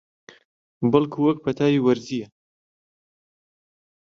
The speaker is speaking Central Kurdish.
بەڵکوو وەک پەتای وەرزییە